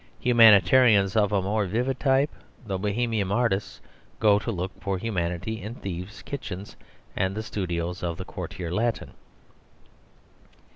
Humanitarians of a more vivid type, the Bohemian artists, go to look for humanity in thieves' kitchens and the studios of the Quartier Latin.